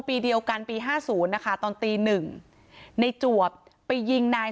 ปีเดียวกันปี๕๐นะคะตอนตีหนึ่งในจวบไปยิงนาย